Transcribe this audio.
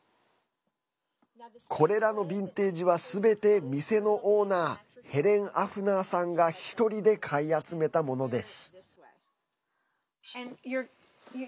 これらのビンテージはすべて店のオーナーヘレン・アフナーさんが１人で買い集めたものです。